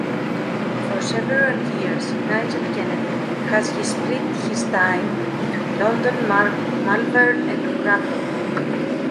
For several years, Nigel Kennedy has his split his time between London, Malvern and Krakow.